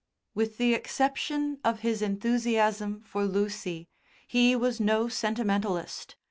With the exception of his enthusiasm for Lucy he was no sentimentalist.